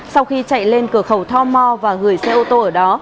sau khi chạy lên cửa khẩu tho mo và gửi xe ô tô ở đó